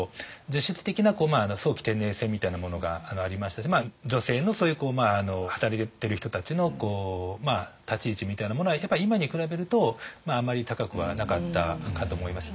実質的な早期定年制みたいなものがありましたし女性のそういう働いてる人たちの立ち位置みたいなものはやっぱり今に比べるとあんまり高くはなかったかと思います。